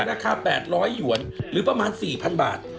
ราคา๘๐๐หยวนหรือประมาณ๔๐๐๐บาท